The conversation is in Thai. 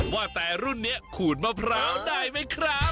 ว่าแต่รุ่นนี้ขูดมะพร้าวได้ไหมครับ